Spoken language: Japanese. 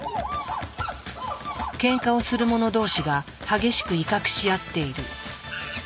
ケンカをするもの同士が激しく威嚇し合っている。